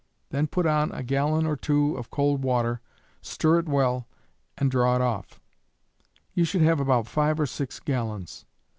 Then put on a gallon or two of cold water, stir it well, and draw it off; you should have about 5 or 6 gallons.